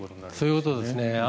そういうことですね。